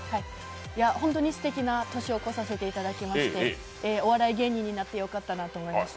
本当にすてきな年を越させていただきましてお笑い芸人になってよかったなと思いました。